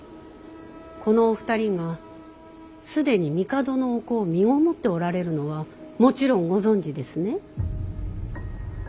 このお二人が既に帝のお子をみごもっておられるのはもちろんご存じですね。